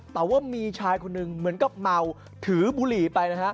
แต่ว่ามีชายคนหนึ่งเหมือนกับเมาถือบุหรี่ไปนะฮะ